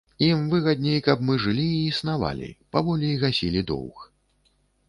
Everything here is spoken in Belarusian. Ім выгадней, каб мы жылі і існавалі, паволі гасілі доўг.